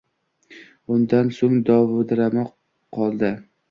Undan so‘ng dovdirabroq qoldi